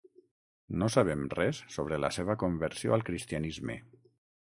No sabem res sobre la seva conversió al cristianisme.